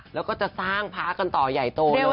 และก็จะสร้างพาคันต่อใหญ่โตเลยนะคะ